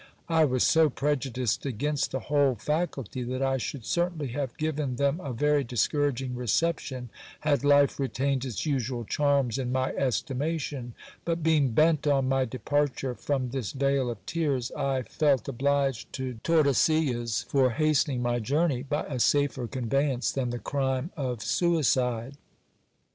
I was so prejudiced against the whole faculty, that I should certainly have given them a very discouraging reception, had life retained its usual charms in my estimation ; but being bent on my departure from this vale of tears, I felt obliged to Tordesillas for hastening my journey, by a safer conveyance than the crime of suicide.